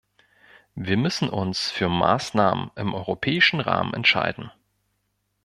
Wir müssen uns für Maßnahmen im europäischen Rahmen entscheiden.